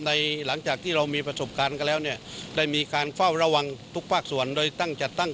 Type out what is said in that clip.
หลังจากที่เรามีประสบการณ์กันแล้วเนี่ยได้มีการเฝ้าระวังทุกภาคส่วนโดยตั้งจัดตั้ง